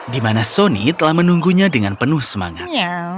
di mana sony telah menunggunya dengan penuh semangat